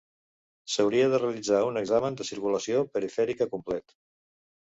S'hauria de realitzar un examen de circulació perifèrica complet.